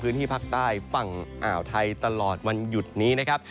พื้นที่ภาคใต้ฝั่งอ่าวไทยตลอดวันหยุดนี้นะครับ